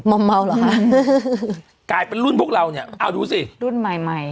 อมเมาเหรอคะกลายเป็นรุ่นพวกเราเนี่ยเอาดูสิรุ่นใหม่ใหม่